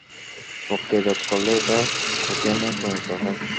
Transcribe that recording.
প্রক্রিয়াজাত করলে এটা কোকেইনে পরিণত হয়।